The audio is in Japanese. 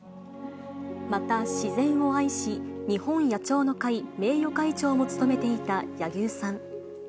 また自然を愛し、日本野鳥の会名誉会長も務めていた柳生さん。